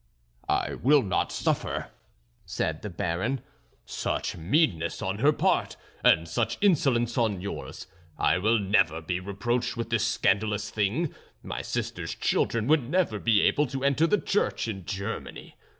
"I will not suffer," said the Baron, "such meanness on her part, and such insolence on yours; I will never be reproached with this scandalous thing; my sister's children would never be able to enter the church in Germany.